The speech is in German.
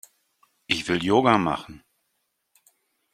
Ich will Yoga machen.